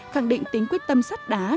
khẳng định tính quyết tâm sắc đá